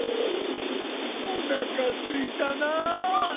おなかすいたなあ。